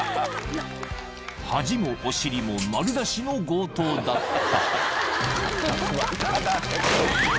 ［恥もお尻も丸出しの強盗だった］